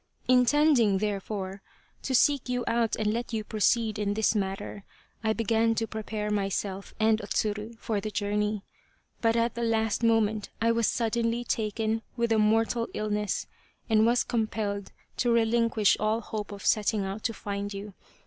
" Intending, therefore, to seek you out and let you proceed in this matter, I began to prepare myself and Tsuru for the journey. But at the last moment I was suddenly taken with a mortal illness and was compelled to relinquish all hope of setting out to find you.